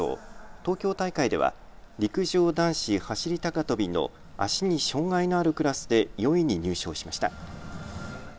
東京大会では陸上男子走り高跳びの足に障害のあるクラスで４位に入賞しました。